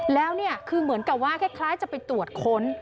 แล้วเนี่ยคือเหมือนกับว่าคล้ายจะไปตรวจค้น